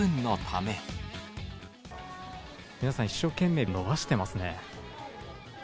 皆さん、一生懸命伸ばしてますね。